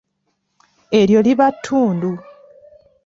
Eryo liba ttundu.